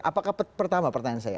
apakah pertama pertanyaan saya